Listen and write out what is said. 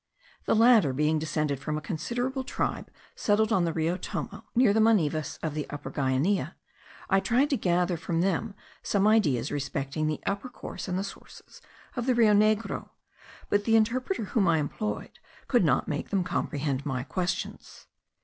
The latter being descended from a considerable tribe settled on the Rio Tomo, near the Manivas of the Upper Guainia, I tried to gather from them some ideas respecting the upper course and the sources of the Rio Negro; but the interpreter whom I employed could not make them comprehend my questions.